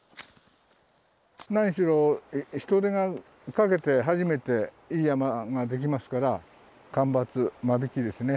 何しろ人手をかけて初めていい山ができますから間伐間引きですね